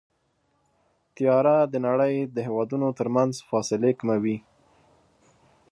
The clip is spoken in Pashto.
طیاره د نړۍ د هېوادونو ترمنځ فاصلې کموي.